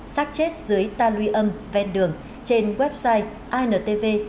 sát chết dưới ta luy âm vẹn đường trên website intv gov vn